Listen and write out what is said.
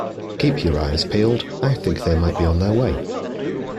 Keep your eyes peeled! I think they might be on their way.